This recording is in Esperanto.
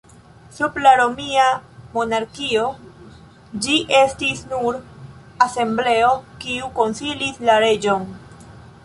Sub la Romia monarkio, ĝi estis nur asembleo kiu konsilis la reĝon.